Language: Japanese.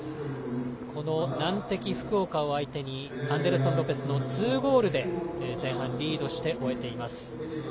難敵、福岡を相手にアンデルソン・ロペスの２ゴールで前半リードして終えています。